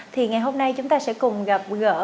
thì ngày hôm nay chúng ta sẽ cùng gặp gỡ